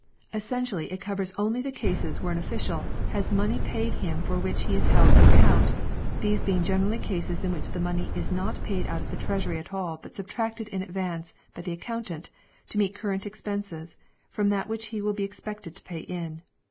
Essentially it covers only the cases where an official has money paid to him for which he is held to account; these being generally cases in which the money is not paid out of the Treasury at all but subtracted in advance by the accountant, to meet current expenses, from that which he will be expected to pay in.